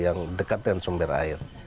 yang dekat dengan sumber air